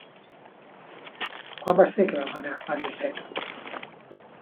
Quan va ser que vam anar a Lloseta?